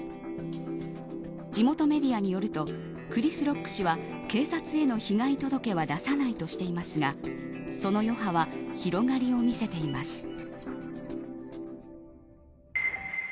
地元メディアによるとクリス・ロック氏は警察への被害届は出さないとしていますがその余波は広がりを見せています。